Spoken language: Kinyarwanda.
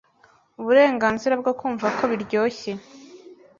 uburenganzira bwo kumva ko biryoshye